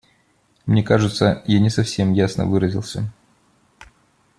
Мне кажется, я не совсем ясно выразился.